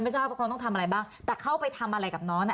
ทราบว่าเขาต้องทำอะไรบ้างแต่เข้าไปทำอะไรกับน้องอ่ะ